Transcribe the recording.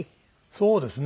そうですね。